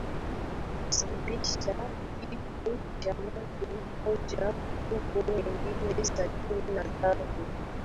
kusabisha kifo cha mtu mmoja huku wengine sabini na tatu